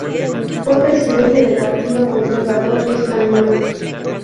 Fue presidente del Partido Conservador Español.